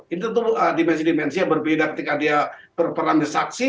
ini tentu dimensi dimensi yang berbeda ketika dia berperan disaksi